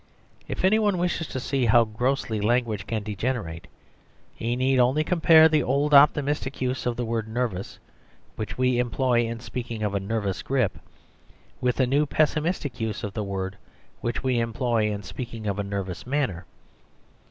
If any one wishes to see how grossly language can degenerate, he need only compare the old optimistic use of the word nervous, which we employ in speaking of a nervous grip, with the new pessimistic use of the word, which we employ in speaking of a nervous manner.